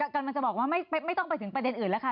กำลังจะบอกว่าไม่ต้องไปถึงประเด็นอื่นแล้วค่ะ